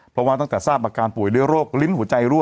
เพราะว่าตั้งแต่ทราบอาการป่วยด้วยโรคลิ้นหัวใจรั่